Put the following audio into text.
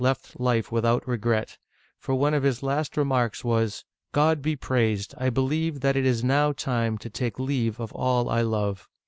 left life without regret, for one of his last remarks was :" God be praised ! I believe that it is now time to take leave of all I love."